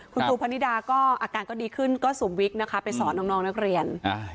คุณครูพนิดาก็อาการก็ดีขึ้นก็สวมวิกนะคะไปสอนน้องนักเรียน